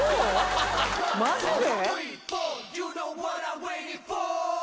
マジで？））